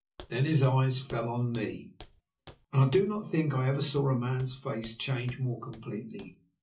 Then his eyes fell on me, and I do not think I ever saw a man's face change more completely.